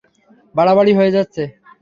বাড়াবাড়ি হয়ে গেছে।